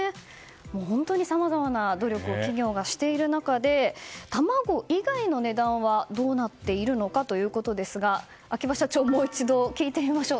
本当にさまざまな努力を企業がしている中で卵以外の値段はどうなっているのかということですが秋葉社長、もう一度聞いてみましょう。